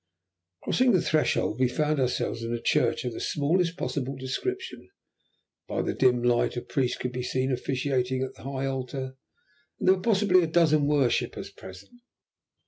Crossing the threshold we found ourselves in a church of the smallest possible description. By the dim light a priest could be seen officiating at the high altar, and there were possibly a dozen worshippers present.